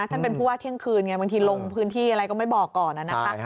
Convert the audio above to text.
ท่านเป็นผู้ว่าเที่ยงคืนไงบางทีลงพื้นที่อะไรก็ไม่บอกก่อนนะคะ